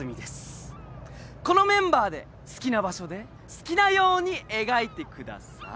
このメンバーで好きな場所で好きなように描いてください！